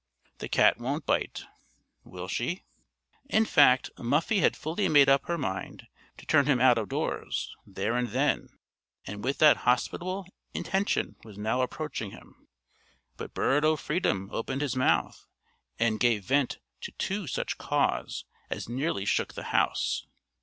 The cat won't bite, will she?" In fact, Muffie had fully made up her mind to turn him out of doors there and then, and with that hospitable intention was now approaching him. But Bird o' freedom opened his mouth, and gave vent to two such caws, as nearly shook the house.